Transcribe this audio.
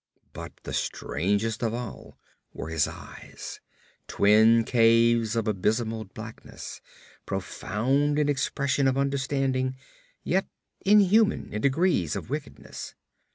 But strangest of all were his eyes; twin caves of abysmal blackness; profound in expression of understanding, yet inhuman in degree of wickedness.